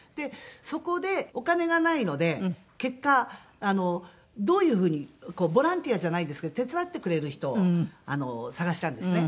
そこでお金がないので結果どういう風にボランティアじゃないですけど手伝ってくれる人を探したんですね。